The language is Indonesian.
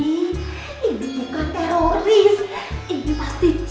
ini bukan teroris